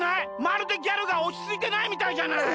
まるでギャルがおちついてないみたいじゃない！